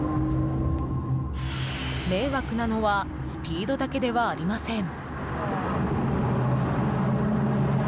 迷惑なのはスピードだけではありません。